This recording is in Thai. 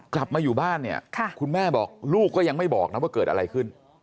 กลับมาอยู่บ้านเนี่ยคุณแม่บอกลูกก็ยังไม่บอกนะว่าเกิดอะไรขึ้น